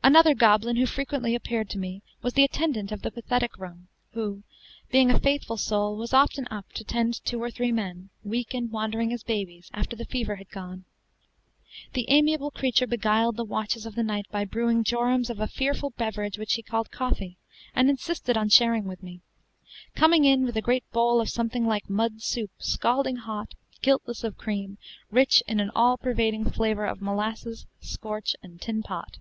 Another goblin who frequently appeared to me was the attendant of "the pathetic room," who, being a faithful soul, was often up to tend two or three men, weak and wandering as babies, after the fever had gone. The amiable creature beguiled the watches of the night by brewing jorums of a fearful beverage which he called coffee, and insisted on sharing with me; coming in with a great bowl of something like mud soup, scalding hot, guiltless of cream, rich in an all pervading flavor of molasses, scorch, and tin pot.